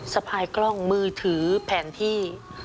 สะพายกล้องมือถือแผนที่